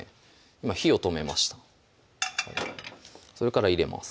今火を止めましたそれから入れます